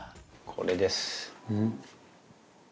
これです。